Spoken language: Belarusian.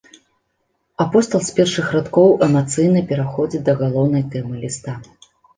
Апостал з першых радкоў эмацыйна пераходзіць да галоўнай тэмы ліста.